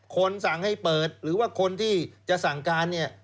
สั่งให้เปิดหรือว่าคนที่จะสั่งการเนี่ย